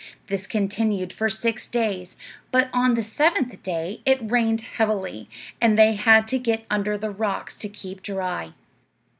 This continued for six days, but on the seventh day it rained heavily, and they had to get under the rocks to keep dry.